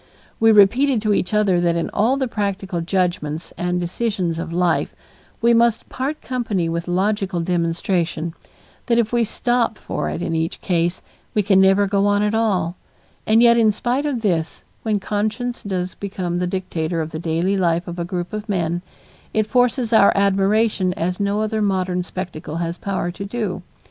We repeated to each other that in all the practical judgments and decisions of life, we must part company with logical demonstration; that if we stop for it in each case, we can never go on at all; and yet, in spite of this, when conscience does become the dictator of the daily life of a group of men, it forces our admiration as no other modern spectacle has power to do.